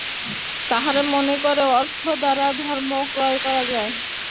তাহারা মনে করে, অর্থ দ্বারা ধর্ম ক্রয় করা যায়।